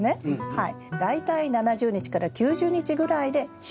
はい。